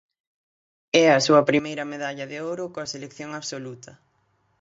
É a súa primeira medalla de ouro coa selección absoluta.